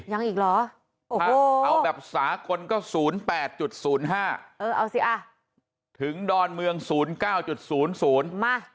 ยังอีกหรอเอาแบบสาคนก็๐๘๐๕เอาสิถึงดอนเมือง๐๙๐๐มาจอดสนิท